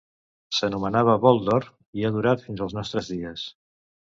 S'anomenava Bol d'Or i ha durat fins als nostres dies.